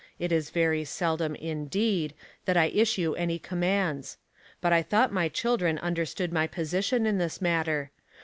It is very seldom, indeed^ that I issue any commands; but I thought my children understood my position in this matter.